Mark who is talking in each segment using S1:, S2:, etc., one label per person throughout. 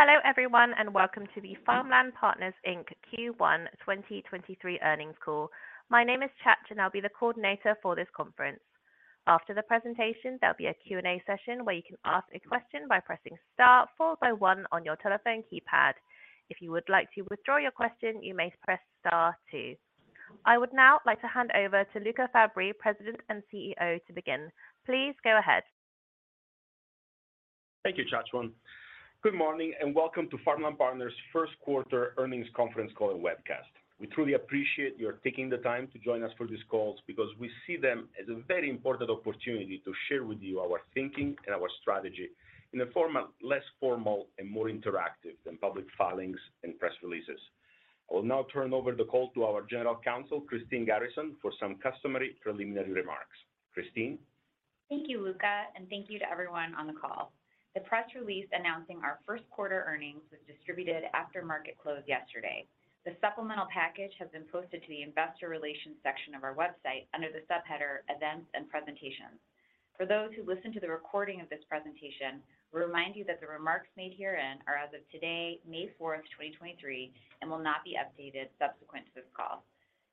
S1: Hello everyone, welcome to the Farmland Partners Inc. Q1 2023 earnings call. My name is Chatcha, I'll be the coordinator for this conference. After the presentation, there'll be a Q&A session where you can ask a question by pressing Star followed by one on your telephone keypad. If you would like to withdraw your question, you may press Star two. I would now like to hand over to Luca Fabbri, President and CEO, to begin. Please go ahead.
S2: Thank you, Chatcha. Good morning and welcome to Farmland Partners' first quarter earnings conference call and webcast. We truly appreciate your taking the time to join us for these calls because we see them as a very important opportunity to share with you our thinking and our strategy in a format less formal and more interactive than public filings and press releases. I will now turn over the call to our General Counsel, Christine Garrison, for some customary preliminary remarks. Christine.
S3: Thank you, Luca, thank you to everyone on the call. The press release announcing our 1st quarter earnings was distributed after market close yesterday. The supplemental package has been posted to the Investor Relations section of our website under the subheader Events and Presentations. For those who listen to the recording of this presentation, we remind you that the remarks made herein are as of today, May 4, 2023, and will not be updated subsequent to this call.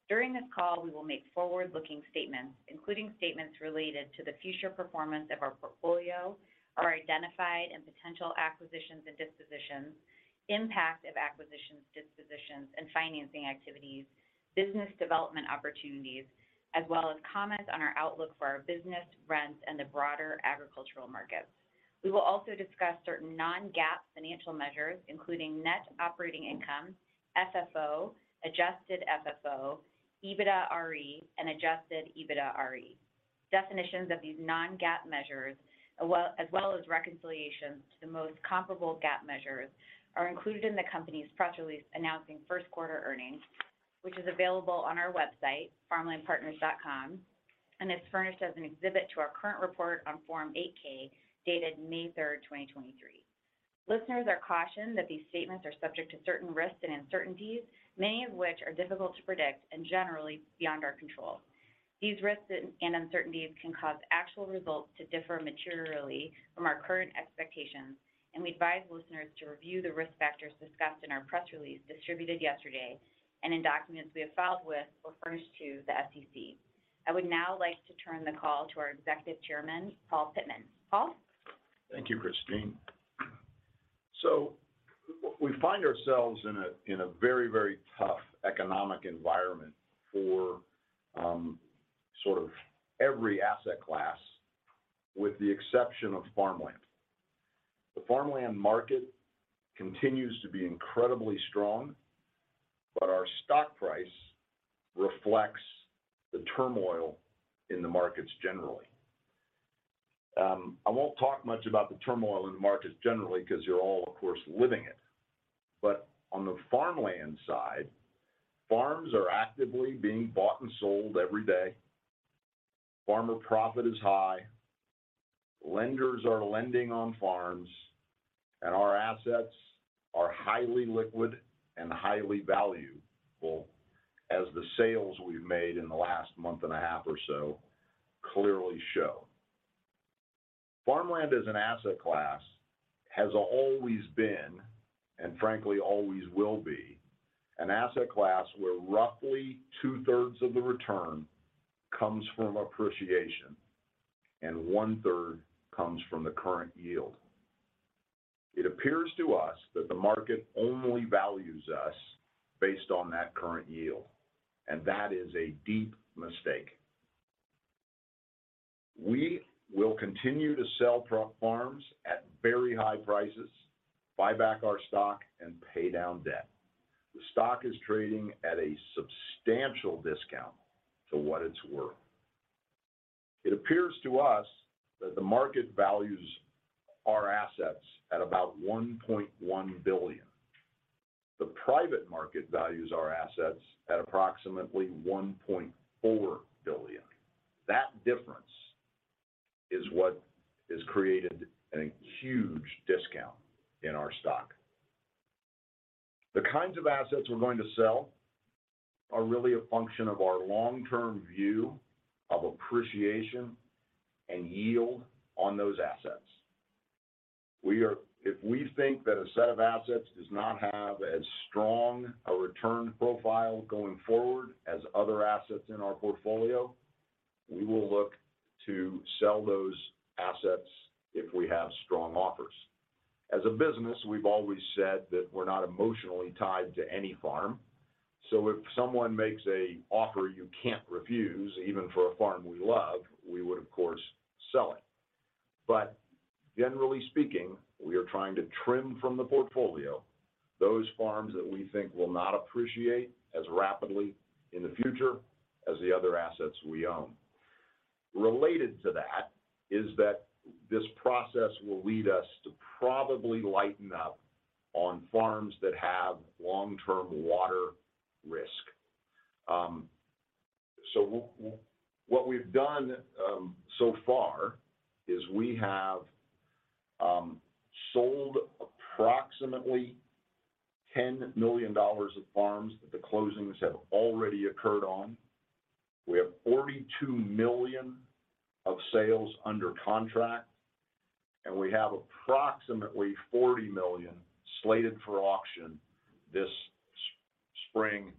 S3: During this call, we will make forward-looking statements, including statements related to the future performance of our portfolio, our identified and potential acquisitions and dispositions, impact of acquisitions, dispositions, and financing activities, business development opportunities, as well as comments on our outlook for our business, rents, and the broader agricultural markets. We will also discuss certain Non-GAAP financial measures, including net operating income, FFO, adjusted FFO, EBITDARE, and adjusted EBITDARE. Definitions of these Non-GAAP measures, as well as reconciliations to the most comparable GAAP measures, are included in the company's press release announcing first quarter earnings, which is available on our website, farmlandpartners.com, is furnished as an exhibit to our current report on Form 8-K, dated May 3rd, 2023. Listeners are cautioned that these statements are subject to certain risks and uncertainties, many of which are difficult to predict and generally beyond our control. These risks and uncertainties can cause actual results to differ materially from our current expectations. We advise listeners to review the risk factors discussed in our press release distributed yesterday and in documents we have filed with or furnished to the SEC. I would now like to turn the call to our Executive Chairman, Paul Pittman. Paul.
S4: Thank you, Christine. We find ourselves in a very, very tough economic environment for sort of every asset class, with the exception of farmland. The farmland market continues to be incredibly strong, but our stock price reflects the turmoil in the markets generally. I won't talk much about the turmoil in the markets generally 'cause you're all, of course, living it. On the farmland side, farms are actively being bought and sold every day. Farmer profit is high. Lenders are lending on farms, and our assets are highly liquid and highly valuable, as the sales we've made in the last month and a half or so clearly show. Farmland as an asset class has always been, and frankly always will be, an asset class where roughly two-thirds of the return comes from appreciation, and one-third comes from the current yield. It appears to us that the market only values us based on that current yield. That is a deep mistake. We will continue to sell farms at very high prices, buy back our stock, and pay down debt. The stock is trading at a substantial discount to what it's worth. It appears to us that the market values our assets at about $1.1 billion. The private market values our assets at approximately $1.4 billion. That difference is what has created a huge discount in our stock. The kinds of assets we're going to sell are really a function of our long-term view of appreciation and yield on those assets. If we think that a set of assets does not have as strong a return profile going forward as other assets in our portfolio, we will look to sell those assets if we have strong offers. As a business, we've always said that we're not emotionally tied to any farm, so if someone makes a offer you can't refuse, even for a farm we love, we would of course sell it. Generally speaking, we are trying to trim from the portfolio those farms that we think will not appreciate as rapidly in the future as the other assets we own. Related to that is that this process will lead us to probably lighten up on farms that have long-term water risk. So what we've done so far is we have sold approximately $10 million of farms that the closings have already occurred on. We have $42 million of sales under contract, and we have approximately $40 million slated for auction this spring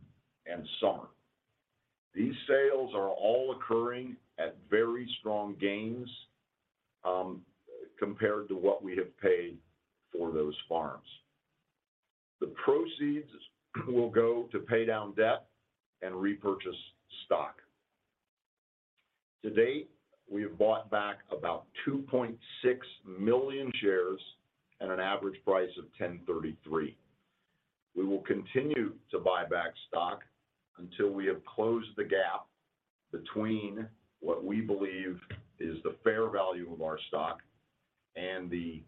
S4: and summer. These sales are all occurring at very strong gains compared to what we have paid for those farms. The proceeds will go to pay down debt and repurchase stock. To date, we have bought back about 2.6 million shares at an average price of $10.33. We will continue to buy back stock until we have closed the gap between what we believe is the fair value of our stock and the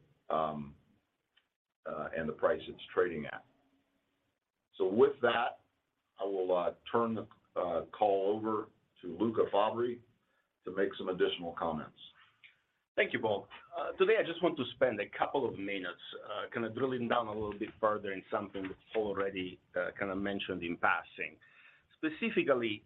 S4: price it's trading at. With that, I will turn the call over to Luca Fabbri to make some additional comments.
S2: Thank you, Paul. Today, I just want to spend a couple of minutes, kind of drilling down a little bit further in something that Paul already, kind of mentioned in passing. Specifically,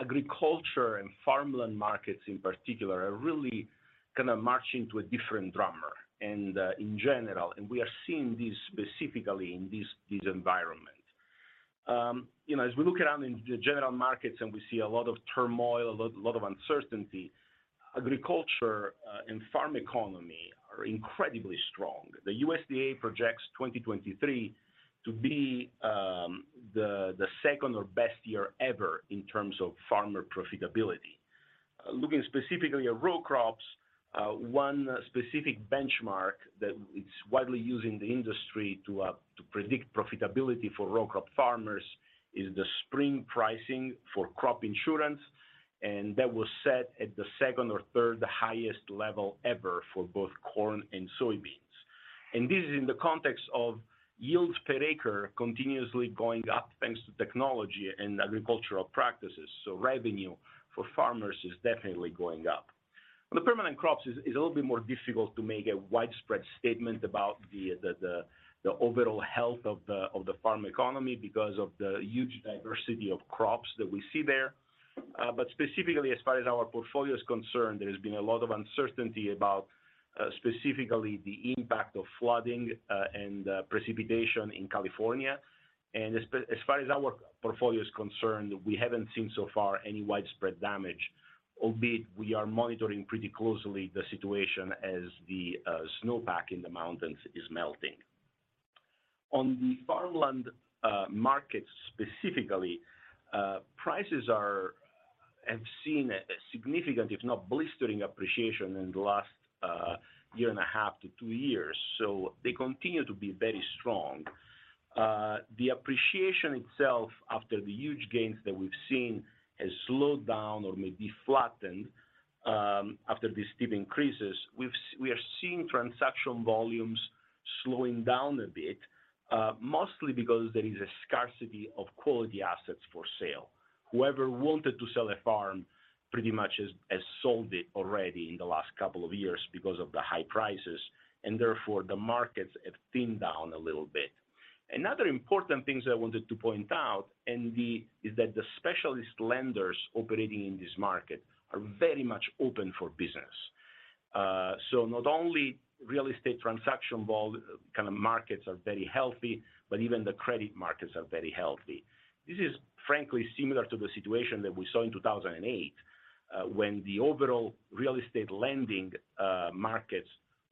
S2: agriculture and farmland markets in particular, are really kind of marching to a different drummer and, in general, and we are seeing this specifically in this environment. You know, as we look around in the general markets and we see a lot of turmoil, a lot of uncertainty, agriculture and farm economy are incredibly strong. The USDA projects 2023 to be the second or best year ever in terms of farmer profitability. Looking specifically at row crops, one specific benchmark that is widely used in the industry to predict profitability for row crop farmers is the spring pricing for crop insurance, and that was set at the second or third highest level ever for both corn and soybeans. This is in the context of yields per acre continuously going up thanks to technology and agricultural practices. Revenue for farmers is definitely going up. On the permanent crops is a little bit more difficult to make a widespread statement about the overall health of the farm economy because of the huge diversity of crops that we see there. Specifically as far as our portfolio is concerned, there has been a lot of uncertainty about specifically the impact of flooding and precipitation in California. As far as our portfolio is concerned, we haven't seen so far any widespread damage, albeit we are monitoring pretty closely the situation as the snowpack in the mountains is melting. On the farmland markets specifically, prices have seen a significant, if not blistering appreciation in the last 1.5 years-2 years. They continue to be very strong. The appreciation itself after the huge gains that we've seen has slowed down or maybe flattened after the steep increases. We are seeing transaction volumes slowing down a bit, mostly because there is a scarcity of quality assets for sale. Whoever wanted to sell a farm pretty much has sold it already in the last couple of years because of the high prices, and therefore the markets have thinned down a little bit. Another important thing that I wanted to point out is that the specialist lenders operating in this market are very much open for business. Not only real estate transaction kind of markets are very healthy, but even the credit markets are very healthy. This is frankly similar to the situation that we saw in 2008, when the overall real estate lending markets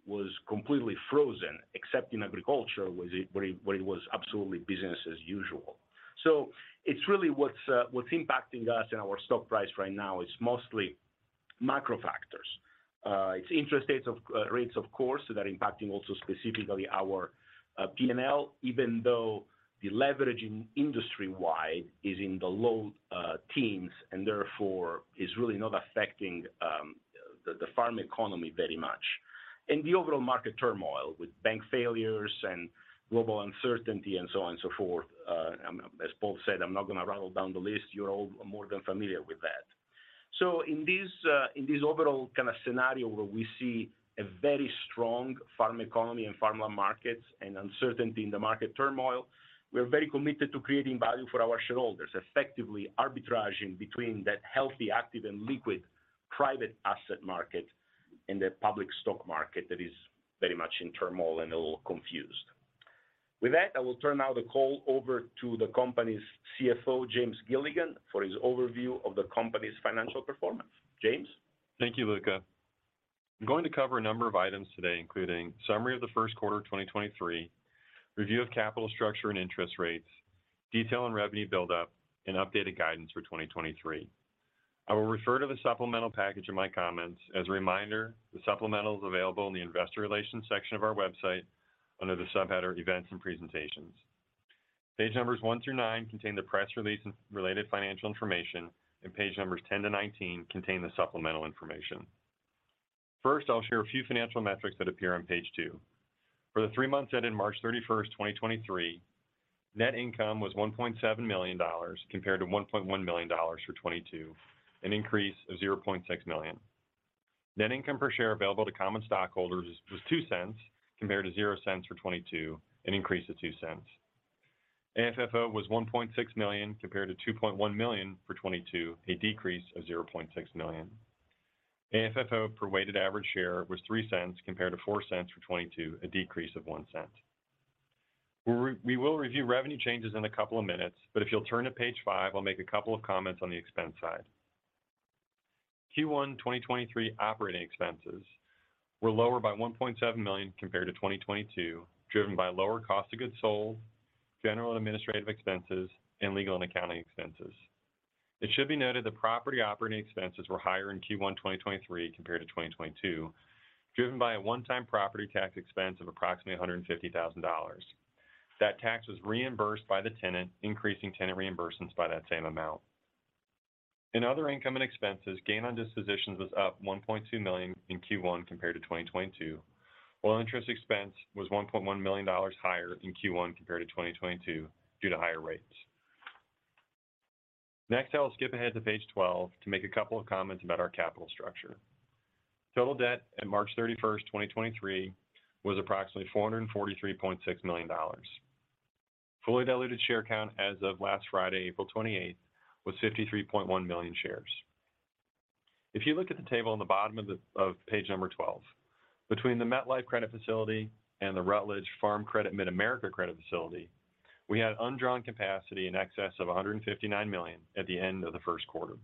S2: was completely frozen, except in agriculture, where it was absolutely business as usual. It's really what's impacting us and our stock price right now is mostly macro factors. It's interest rates of course, that are impacting also specifically our P&L, even though the leverage in industry-wide is in the low teens and therefore is really not affecting the farm economy very much. The overall market turmoil with bank failures and global uncertainty and so on and so forth. As Paul said, I'm not gonna rattle down the list. You're all more than familiar with that. In this overall kind of scenario where we see a very strong farm economy and farmland markets and uncertainty in the market turmoil, we're very committed to creating value for our shareholders, effectively arbitraging between that healthy, active, and liquid private asset market and the public stock market that is very much in turmoil and a little confused. With that, I will turn now the call over to the company's CFO, James Gilligan, for his overview of the company's financial performance. James.
S5: Thank you, Luca. I'm going to cover a number of items today, including summary of the first quarter of 2023, review of capital structure and interest rates, detail on revenue build up, and updated guidance for 2023. I will refer to the supplemental package in my comments. As a reminder, the supplemental is available in the investor relations section of our website under the subheader Events and Presentations. Page numbers one through page nine contain the press release and related financial information, and page numbers 10-19 contain the supplemental information. First, I'll share a few financial metrics that appear on page two. For the three months ending March 31st, 2023, net income was $1.7 million compared to $1.1 million for 2022, an increase of $0.6 million. Net income per share available to common stockholders was $0.02 compared to $0.00 for 2022, an increase of $0.02. AFFO was $1.6 million compared to $2.1 million for 2022, a decrease of $0.6 million. AFFO per weighted average share was $0.03 compared to $0.04 for 2022, a decrease of $0.01. If you'll turn to page five, I'll make a couple of comments on the expense side. Q1 2023 operating expenses were lower by $1.7 million compared to 2022, driven by lower cost of goods sold, general and administrative expenses, and legal and accounting expenses. It should be noted that property operating expenses were higher in Q1 2023 compared to 2022, driven by a one-time property tax expense of approximately $150,000. That tax was reimbursed by the tenant, increasing tenant reimbursements by that same amount. In other income and expenses, gain on dispositions was up $1.2 million in Q1 compared to 2022, while interest expense was $1.1 million higher in Q1 compared to 2022 due to higher rates. I'll skip ahead to Page 12 to make a couple of comments about our capital structure. Total debt at March 31st, 2023 was approximately $443.6 million. Fully diluted share count as of last Friday, April 28th, was 53.1 million shares. If you look at the table on the bottom of Page number 12, between the MetLife credit facility and the Rutledge Farm Credit Mid-America credit facility, we had undrawn capacity in excess of $159 million at the end of the first quarter.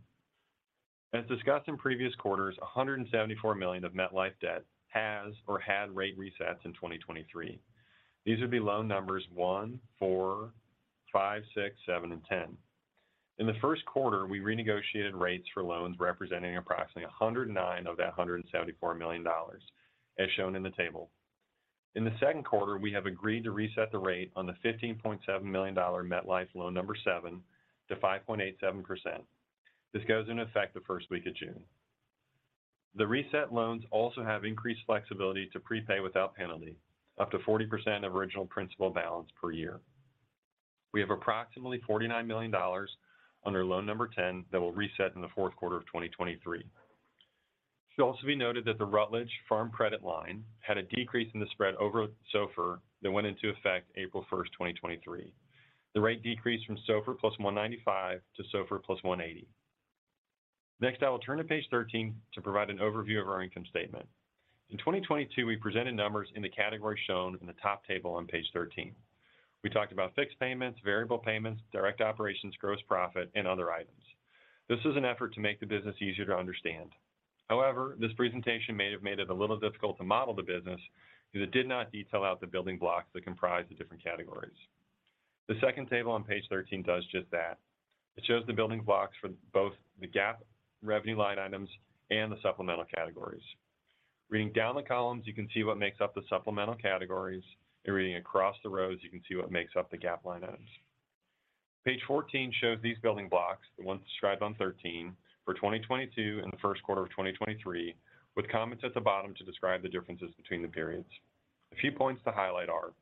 S5: As discussed in previous quarters, $174 million of MetLife debt has or had rate resets in 2023. These would be loan numbers one, four, five, six, seven, and 10. In the first quarter, we renegotiated rates for loans representing approximately $109 of that $174 million, as shown in the table. In the second quarter, we have agreed to reset the rate on the $15.7 million MetLife loan number 7 to 5.87%. This goes into effect the first week of June. The reset loans also have increased flexibility to prepay without penalty, up to 40% of original principal balance per year. We have approximately $49 million under Loan number 10 that will reset in the fourth quarter of 2023. It should also be noted that the Rutledge Farm credit line had a decrease in the spread over SOFR that went into effect April 1st, 2023. The rate decreased from SOFR+ 195-SOFR+ 180. I will turn to Page 13 to provide an overview of our income statement. In 2022, we presented numbers in the category shown in the top table on Page 13. We talked about fixed payments, variable payments, direct operations, gross profit, and other items. This was an effort to make the business easier to understand. However, this presentation may have made it a little difficult to model the business because it did not detail out the building blocks that comprise the different categories. The second table on Page 13 does just that. It shows the building blocks for both the GAAP revenue line items and the supplemental categories. Reading down the columns, you can see what makes up the supplemental categories, and reading across the rows, you can see what makes up the GAAP line items. Page 14 shows these building blocks, the ones described on Page 13, for 2022 and the first quarter of 2023, with comments at the bottom to describe the differences between the periods. A few points to highlight are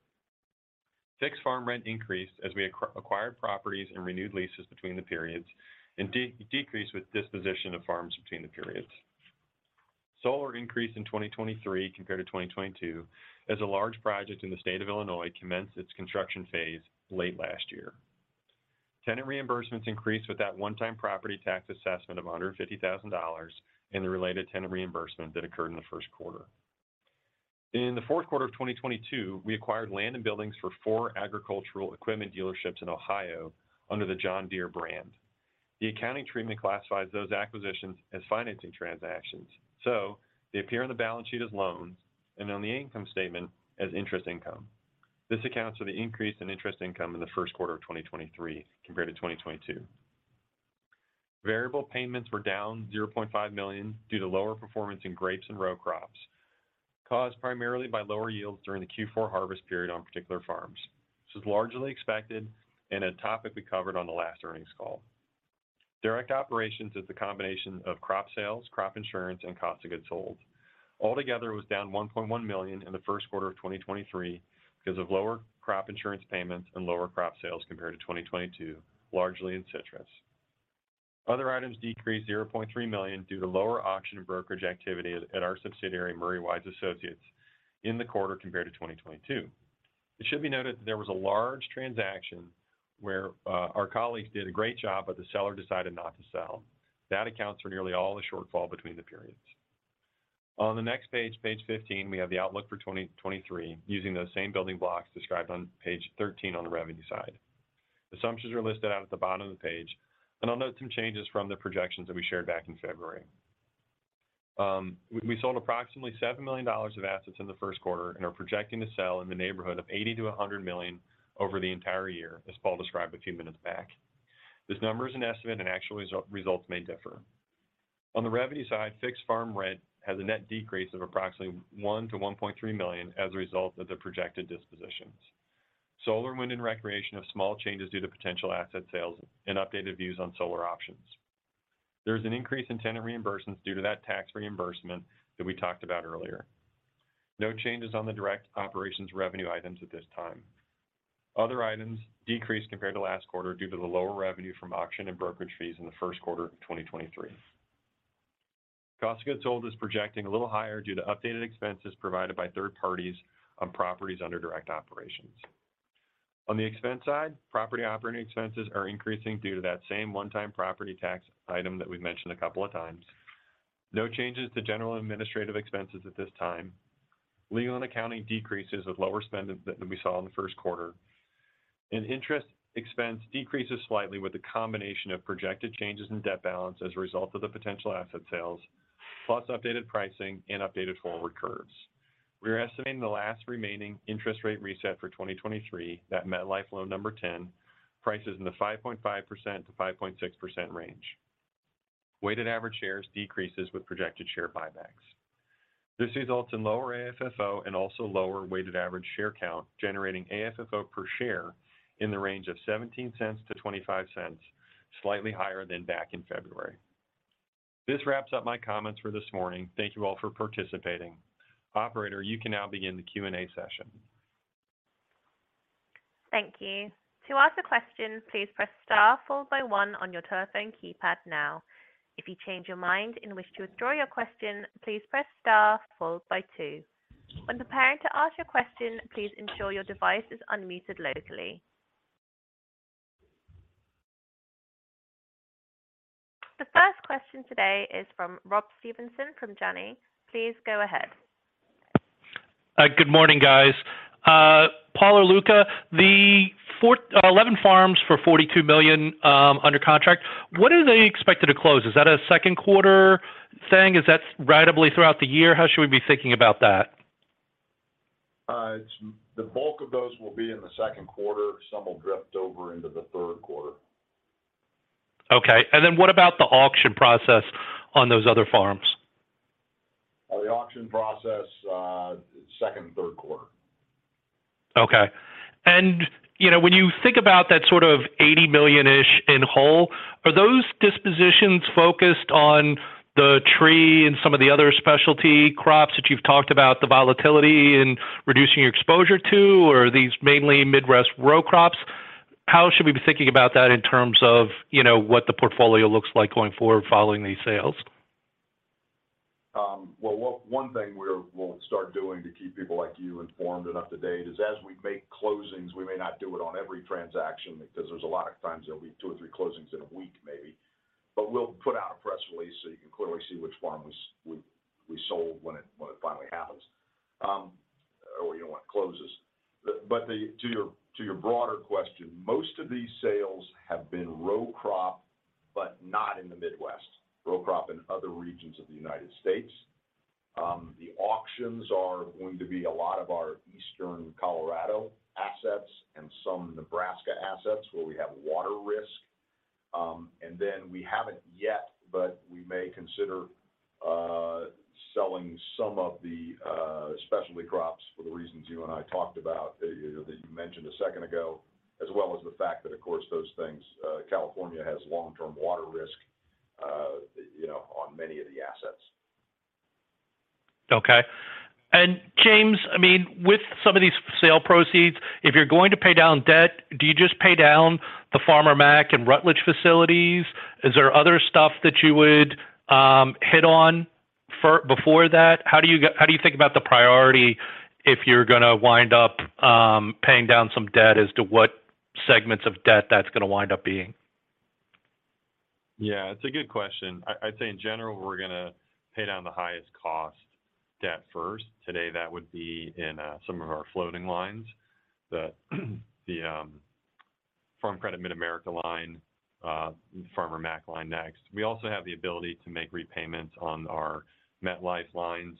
S5: fixed farm rent increased as we acquired properties and renewed leases between the periods and decreased with disposition of farms between the periods. Solar increased in 2023 compared to 2022 as a large project in the state of Illinois commenced its construction phase late last year. Tenant reimbursements increased with that one-time property tax assessment of $150,000 and the related tenant reimbursement that occurred in the first quarter. In the fourth quarter of 2022, we acquired land and buildings for four agricultural equipment dealerships in Ohio under the John Deere brand. The accounting treatment classifies those acquisitions as financing transactions, so they appear on the balance sheet as loans and on the income statement as interest income. This accounts for the increase in interest income in the first quarter of 2023 compared to 2022. Variable payments were down $0.5 million due to lower performance in grapes and row crops, caused primarily by lower yields during the Q4 harvest period on particular farms. This was largely expected and a topic we covered on the last earnings call. Direct operations is the combination of crop sales, crop insurance, and cost of goods sold. Altogether, it was down $1.1 million in the first quarter of 2023 because of lower crop insurance payments and lower crop sales compared to 2022, largely in citrus. Other items decreased $0.3 million due to lower auction and brokerage activity at our subsidiary, Murray Wise Associates, in the quarter compared to 2022. It should be noted that there was a large transaction where our colleagues did a great job, but the seller decided not to sell. That accounts for nearly all the shortfall between the periods. On the next Page 15, we have the outlook for 2023 using those same building blocks described on Page 13 on the revenue side. Assumptions are listed out at the bottom of the page. I'll note some changes from the projections that we shared back in February. We sold approximately $7 million of assets in the first quarter and are projecting to sell in the neighborhood of $80 million-$100 million over the entire year, as Paul described a few minutes back. This number is an estimate, actual results may differ. On the revenue side, fixed farm rent has a net decrease of approximately $1 million-$1.3 million as a result of the projected dispositions. Solar and wind and recreation have small changes due to potential asset sales and updated views on solar options. There's an increase in tenant reimbursements due to that tax reimbursement that we talked about earlier. No changes on the direct operations revenue items at this time. Other items decreased compared to last quarter due to the lower revenue from auction and brokerage fees in the first quarter of 2023. Cost of goods sold is projecting a little higher due to updated expenses provided by third parties on properties under direct operations. On the expense side, property operating expenses are increasing due to that same one-time property tax item that we've mentioned a couple of times. No changes to general and administrative expenses at this time. Legal and accounting decreases with lower spend than we saw in the first quarter. Interest expense decreases slightly with the combination of projected changes in debt balance as a result of the potential asset sales, plus updated pricing and updated forward curves. We're estimating the last remaining interest rate reset for 2023, that MetLife Loan number 10, prices in the 5.5%-5.6% range. Weighted average shares decreases with projected share buybacks. This results in lower AFFO and also lower weighted average share count, generating AFFO per share in the range of $0.17-$0.25, slightly higher than back in February. This wraps up my comments for this morning. Thank you all for participating. Operator, you can now begin the Q&A session.
S1: Thank you. To ask a question, please press star followed by one on your telephone keypad now. If you change your mind and wish to withdraw your question, please press star followed by two. When preparing to ask your question, please ensure your device is unmuted locally. The first question today is from Rob Stevenson from Janney. Please go ahead.
S6: Good morning, guys. Paul or Luca, the 11 farms for $42 million under contract, what are they expected to close? Is that a second quarter thing? Is that ratably throughout the year? How should we be thinking about that?
S4: The bulk of those will be in the second quarter. Some will drift over into the third quarter.
S6: Okay. Then what about the auction process on those other farms?
S4: The auction process, second and third quarter.
S6: Okay. You know, when you think about that sort of $80 million-ish in whole, are those dispositions focused on the tree and some of the other specialty crops that you've talked about the volatility in reducing your exposure to, or are these mainly Midwest row crops? How should we be thinking about that in terms of, you know, what the portfolio looks like going forward following these sales?
S4: Well, one thing we're, we'll start doing to keep people like you informed and up to date is as we make closings, we may not do it on every transaction because there's a lot of times there'll be two or three closings in a week maybe, but we'll put out a press release so you can clearly see which farm we sold when it, when it finally happens, or, you know, when it closes. To your broader question, most of these sales have been row crop, but not in the Midwest. Row crop in other regions of the United States. The auctions are going to be a lot of our eastern Colorado assets and some Nebraska assets where we have water risk. We haven't yet, but we may consider selling some of the specialty crops for the reasons you and I talked about, you know, that you mentioned a second ago, as well as the fact that, of course, those things, California has long-term water risk, you know, on many of the assets.
S6: Okay. James, I mean, with some of these sale proceeds, if you're going to pay down debt, do you just pay down the Farmer Mac and Rutledge facilities? Is there other stuff that you would hit on before that? How do you think about the priority if you're gonna wind up paying down some debt as to what segments of debt that's gonna wind up being?
S5: Yeah, it's a good question. I'd say in general, we're gonna pay down the highest cost debt first. Today, that would be in some of our floating lines, the Farm Credit Mid-America line, Farmer Mac line next. We also have the ability to make repayments on our MetLife lines.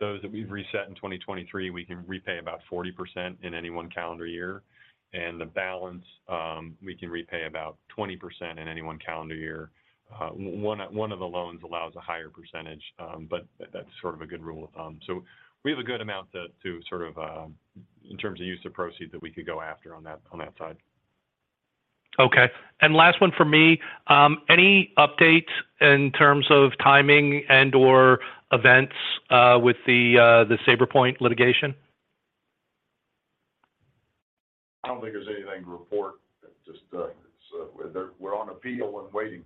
S5: Those that we've reset in 2023, we can repay about 40% in any one calendar year. The balance, we can repay about 20% in any one calendar year. One of the loans allows a higher percentage, but that's sort of a good rule of thumb. We have a good amount to sort of, in terms of use of proceeds that we could go after on that side.
S6: Okay. Last one from me. Any updates in terms of timing and/or events with the Saba Capital litigation?
S4: I don't think there's anything to report. Just, it's, we're on appeal and waiting.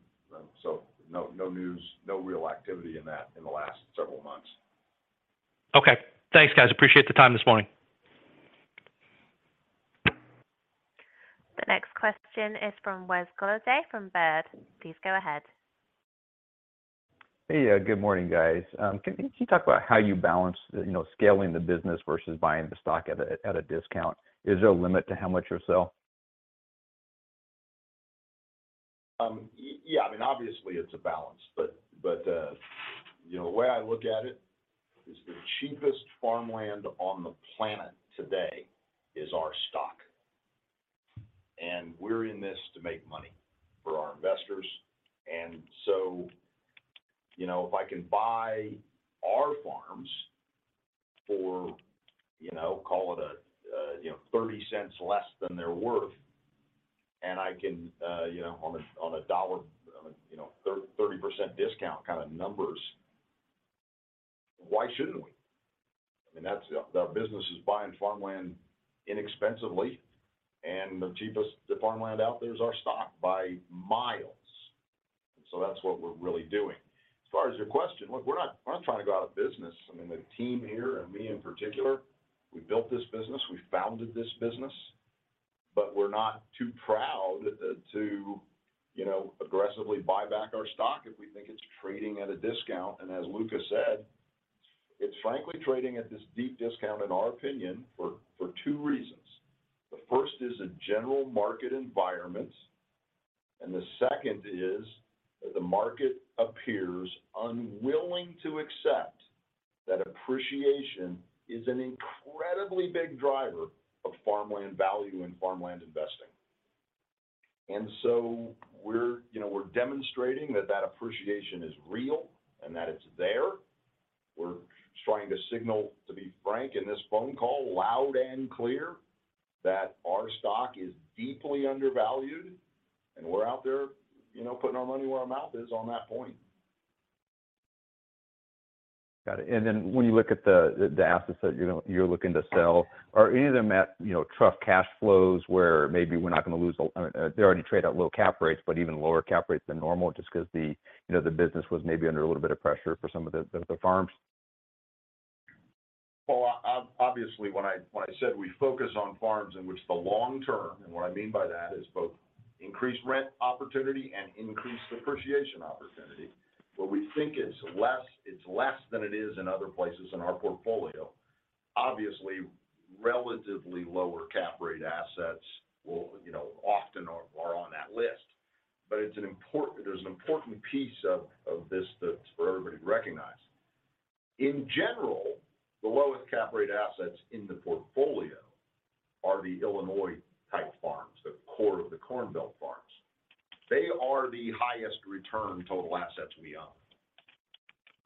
S4: No, no news, no real activity in that in the last several months.
S6: Okay. Thanks, guys. Appreciate the time this morning.
S1: The next question is from Wes Golladay from Baird. Please go ahead.
S7: Hey. Good morning, guys. Can you talk about how you balance, you know, scaling the business versus buying the stock at a discount? Is there a limit to how much you'll sell?
S4: Yeah. I mean, obviously it's a balance. But, you know, the way I look at it is the cheapest farmland on the planet today is our stock. We're in this to make money for our investors, so, you know, if I can buy our farms for, you know, call it a, you know, $0.30 less than they're worth. I can, you know, on a dollar, on a, you know, 30% discount kind of numbers, why shouldn't we? I mean, that's the business is buying farmland inexpensively, and the cheapest farmland out there is our stock by miles. That's what we're really doing. As far as your question, look, we're not, we're not trying to go out of business. I mean, the team here, and me in particular, we built this business, we founded this business, but we're not too proud to, you know, aggressively buy back our stock if we think it's trading at a discount. As Luca said, it's frankly trading at this deep discount, in our opinion, for two reasons. The first is the general market environment, and the second is that the market appears unwilling to accept that appreciation is an incredibly big driver of farmland value and farmland investing. So we're, you know, we're demonstrating that that appreciation is real and that it's there. We're trying to signal, to be frank, in this phone call, loud and clear, that our stock is deeply undervalued, and we're out there, you know, putting our money where our mouth is on that point.
S7: Got it. Then when you look at the assets that you're looking to sell, are any of them at, you know, trough cash flows where maybe we're not gonna? They already trade at low cap rates, but even lower cap rates than normal just because the, you know, the business was maybe under a little bit of pressure for some of the farms?
S4: Well, obviously, when I said we focus on farms in which the long term, and what I mean by that is both increased rent opportunity and increased appreciation opportunity, where we think it's less than it is in other places in our portfolio. Obviously, relatively lower cap rate assets will, you know, often are on that list. It's an important piece of this that's for everybody to recognize. In general, the lowest cap rate assets in the portfolio are the Illinois type farms, the core of the Corn Belt farms. They are the highest return total assets we own.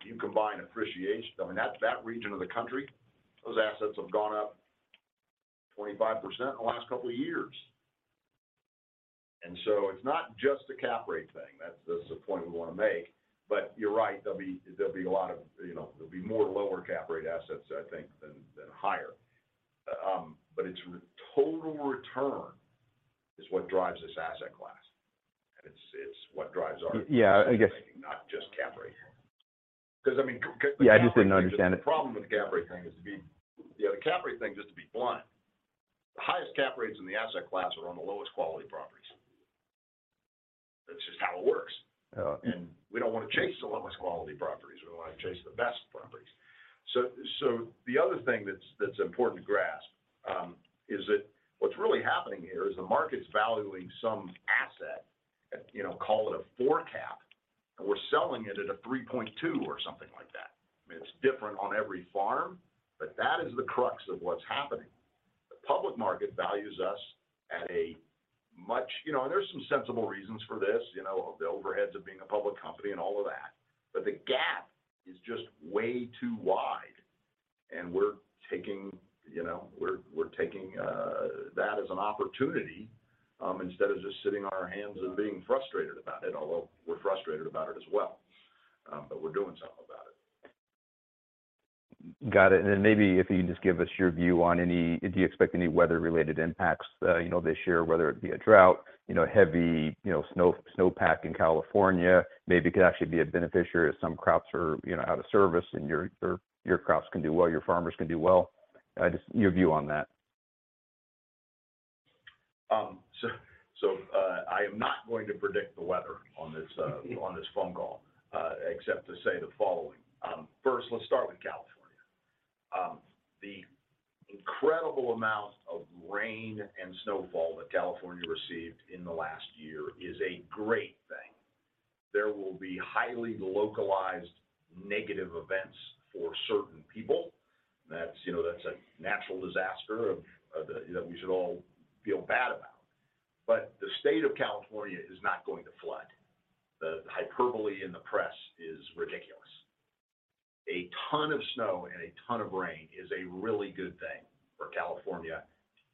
S4: You combine appreciation, I mean, at that region of the country, those assets have gone up 25% in the last couple of years. It's not just a cap rate thing. That's the point we wanna make. You're right, there'll be a lot of, you know, there'll be more lower cap rate assets, I think, than higher. It's total return is what drives this asset class. It's what drives our.
S7: Yeah, I guess-
S4: Not just cap rate. I mean, cause the cap rate thing...
S7: Yeah, I just didn't understand it.
S4: The problem with the cap rate thing. Yeah, the cap rate thing, just to be blunt, the highest cap rates in the asset class are on the lowest quality properties. That's just how it works.
S7: Uh.
S4: We don't wanna chase the lowest quality properties. We wanna chase the best properties. The other thing that's important to grasp, is that what's really happening here is the market's valuing some asset at, you know, call it a 4 cap, and we're selling it at a 3.2 cap or something like that. I mean, it's different on every farm, but that is the crux of what's happening. The public market values us at a much... You know, and there's some sensible reasons for this, you know, the overheads of being a public company and all of that. The gap is just way too wide, and we're taking, you know, we're taking that as an opportunity, instead of just sitting on our hands and being frustrated about it, although we're frustrated about it as well. We're doing something about it.
S7: Got it. Maybe if you can just give us your view on any. Do you expect any weather-related impacts, you know, this year, whether it be a drought, you know, heavy, you know, snow pack in California? Maybe it could actually be a beneficiary if some crops are, you know, out of service or your crops can do well, your farmers can do well. Just your view on that.
S4: I am not going to predict the weather on this phone call, except to say the following. First, let's start with California. The incredible amount of rain and snowfall that California received in the last year is a great thing. There will be highly localized negative events for certain people. That's, you know, that's a natural disaster of the... that we should all feel bad about. The state of California is not going to flood. The hyperbole in the press is ridiculous. A ton of snow and a ton of rain is a really good thing for California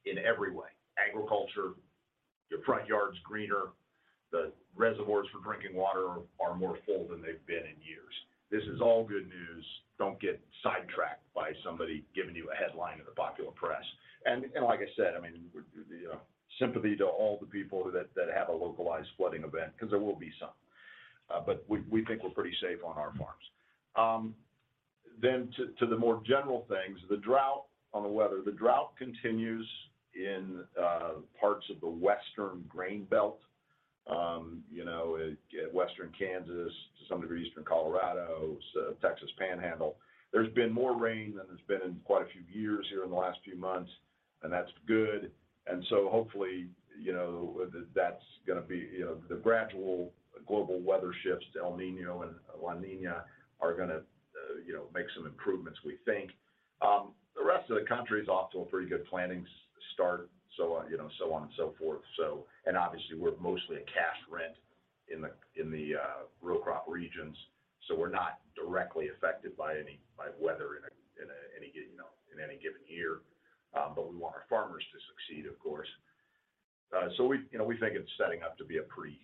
S4: in every way. Agriculture, your front yard's greener, the reservoirs for drinking water are more full than they've been in years. This is all good news. Don't get sidetracked by somebody giving you a headline in the popular press. Like I said, I mean, you know, sympathy to all the people that have a localized flooding event because there will be some. We think we're pretty safe on our farms. To the more general things, the drought on the weather. The drought continues in parts of the Western Grain Belt, you know, at Western Kansas, to some degree Eastern Colorado, Texas Panhandle. There's been more rain than there's been in quite a few years here in the last few months, and that's good. Hopefully, you know, that's gonna be, you know, the gradual global weather shifts to El Niño and La Niña are gonna, you know, make some improvements, we think. The rest of the country is off to a pretty good planting start, you know, so on and so forth. Obviously, we're mostly a cash rent in the row crop regions. We're not directly affected by any weather in a, you know, in any given year. We want our farmers to succeed, of course. We, you know, we think it's setting up to be a pretty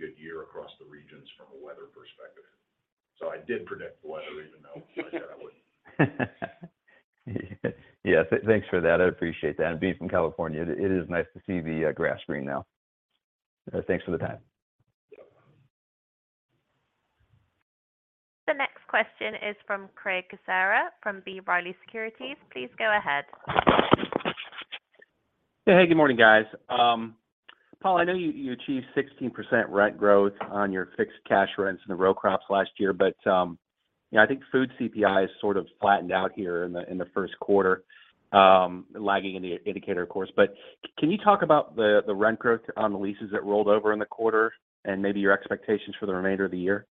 S4: good year across the regions from a weather perspective. I did predict the weather even though I said I wouldn't.
S7: Yeah. Thanks for that. I appreciate that. Being from California, it is nice to see the grass green now. Thanks for the time.
S4: Yep.
S1: The next question is from Craig Kucera from B. Riley Securities. Please go ahead.
S8: Hey, good morning, guys. Paul, I know you achieved 16% rent growth on your fixed cash rents in the row crops last year, you know, I think food CPI is sort of flattened out here in the, in the first quarter, lagging in the indicator, of course. Can you talk about the rent growth on the leases that rolled over in the quarter and maybe your expectations for the remainder of the year?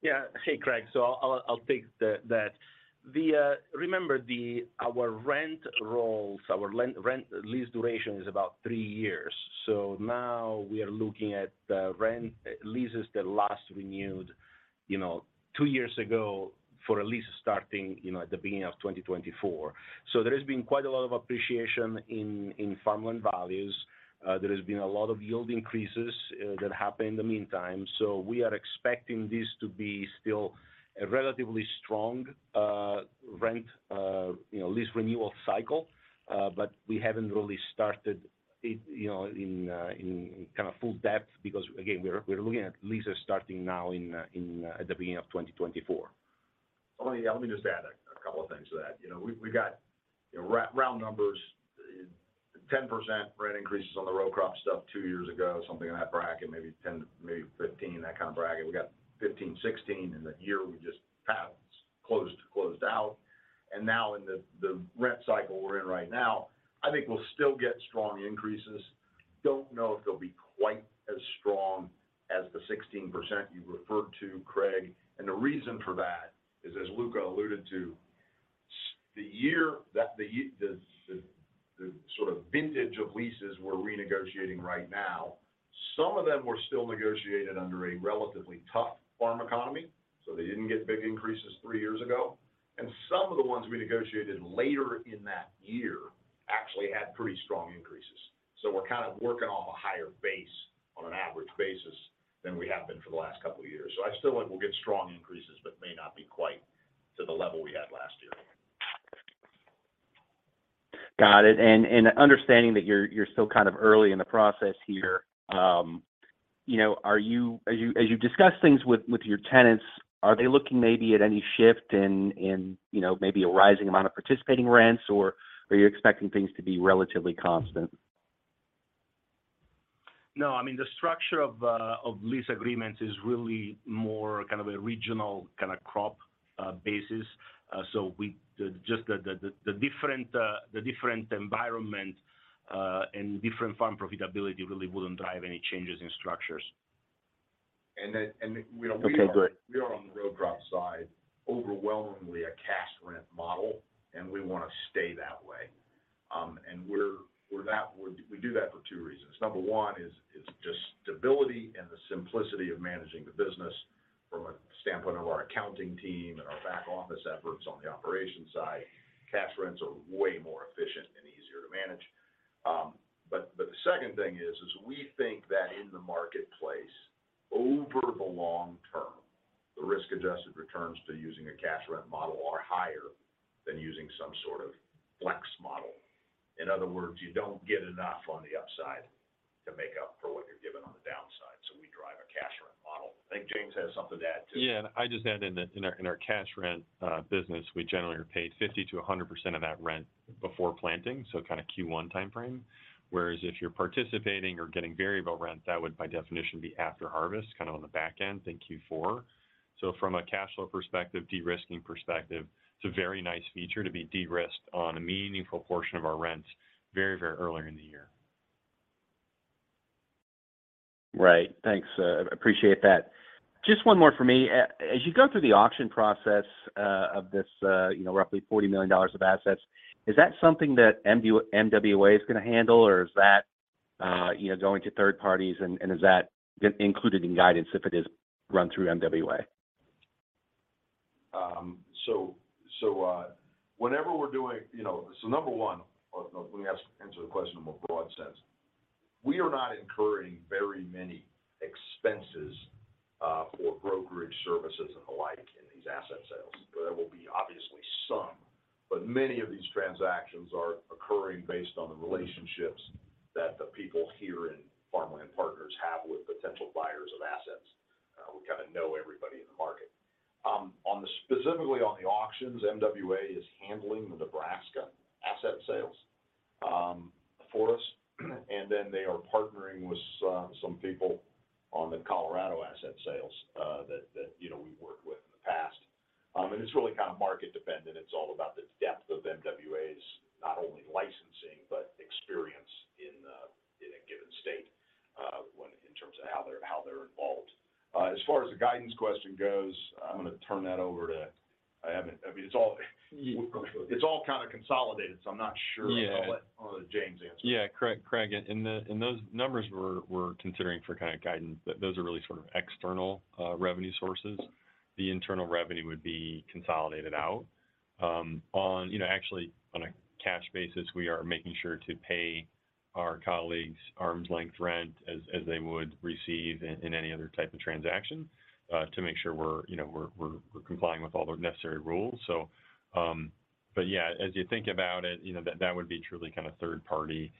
S2: Yeah. Hey, Craig. I'll take that. Remember our rent rolls, our rent lease duration is about three years. Now we are looking at rent leases that last renewed, you know, two years ago for a lease starting, you know, at the beginning of 2024. There has been quite a lot of appreciation in farmland values. There has been a lot of yield increases that happened in the meantime. We are expecting this to be still a relatively strong rent, you know, lease renewal cycle. We haven't really started it, you know, in kinda full depth because, again, we're looking at leases starting now at the beginning of 2024.
S4: Let me, yeah, let me just add a couple of things to that. You know, we've got, you know, round numbers, 10% rent increases on the row crop stuff two years ago, something in that bracket, maybe 10% to maybe 15%, that kind of bracket. We got 15%, 16% in the year we just have closed out. Now in the rent cycle we're in right now, I think we'll still get strong increases. Don't know if they'll be quite as strong as the 16% you referred to, Craig. The reason for that is, as Luca alluded to, the year that the sort of vintage of leases we're renegotiating right now, some of them were still negotiated under a relatively tough farm economy, so they didn't get big increases three years ago. Some of the ones we negotiated later in that year actually had pretty strong increases. We're kind of working off a higher base on an average basis than we have been for the last couple of years. I still think we'll get strong increases, but may not be quite to the level we had last year.
S8: Got it. Understanding that you're still kind of early in the process here, you know, as you discuss things with your tenants, are they looking maybe at any shift in, you know, maybe a rising amount of participating rents, or are you expecting things to be relatively constant?
S2: No, I mean, the structure of lease agreements is really more kind of a regional kind of crop basis. Just the different environment, and different farm profitability really wouldn't drive any changes in structures.
S4: we don't-.
S8: Okay, good....
S4: we are on the row crop side, overwhelmingly a cash rent model. We wanna stay that way. We do that for two reasons. Number one is just stability and the simplicity of managing the business from a standpoint of our accounting team and our back office efforts on the operations side. Cash rents are way more efficient and easier to manage. The second thing is we think that in the marketplace, over the long term, the risk-adjusted returns to using a cash rent model are higher than using some sort of flex model. In other words, you don't get enough on the upside to make up for what you're given on the downside. We drive a cash rent model. I think James has something to add, too.
S5: Yeah. I'd just add in that in our cash rent business, we generally are paid 50%-100% of that rent before planting, kind of Q1 timeframe. Whereas if you're participating or getting variable rent, that would by definition be after harvest, kind of on the back end in Q4. From a cash flow perspective, de-risking perspective, it's a very nice feature to be de-risked on a meaningful portion of our rent very, very early in the year.
S8: Right. Thanks. appreciate that. Just one more for me. As you go through the auction process, of this, you know, roughly $40 million of assets, is that something that MWA is gonna handle, or is that, you know, going to third parties, and is that included in guidance if it is run through MWA?
S4: So, whenever we're doing, you know. Number one, or let me answer the question in a more broad sense. We are not incurring very many expenses for brokerage services and the like in these asset sales. There will be obviously some, but many of these transactions are occurring based on the relationships that the people here in Farmland Partners have with potential buyers of assets. We kinda know everybody in the market. Specifically on the auctions, MWA is handling the Nebraska asset sales for us, and then they are partnering with some people on the Colorado asset sales that, you know, we've worked with in the past. It's really kind of market-dependent. It's all about the depth of MWA's not only licensing, but experience in a given state, in terms of how they're, how they're involved. As far as the guidance question goes, I'm gonna turn that over to.
S5: Yeah.
S4: It's all kind of consolidated, so I'm not sure.
S5: Yeah.
S4: I'll let one of the James answer.
S5: Craig, in those numbers we're considering for kind of guidance, those are really sort of external revenue sources. The internal revenue would be consolidated out. On, you know, actually, on a cash basis, we are making sure to pay our colleagues arm's length rent as they would receive in any other type of transaction to make sure we're, you know, we're complying with all the necessary rules. But yeah, as you think about it, you know, that would be truly kind of third party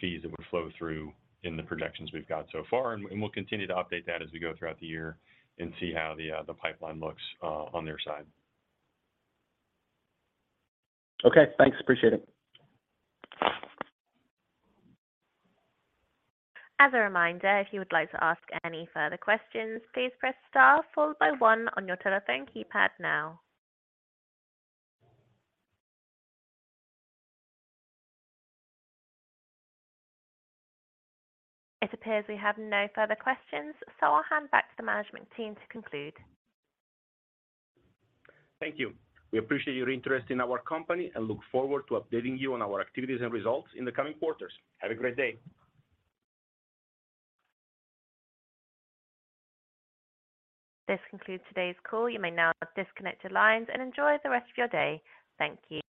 S5: fees that would flow through in the projections we've got so far. We'll continue to update that as we go throughout the year and see how the pipeline looks on their side.
S8: Okay. Thanks. Appreciate it.
S1: As a reminder, if you would like to ask any further questions, please press star followed by one on your telephone keypad now. It appears we have no further questions. I'll hand back to the management team to conclude.
S2: Thank you. We appreciate your interest in our company and look forward to updating you on our activities and results in the coming quarters. Have a great day.
S1: This concludes today's call. You may now disconnect your lines and enjoy the rest of your day. Thank you.